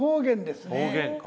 方言か。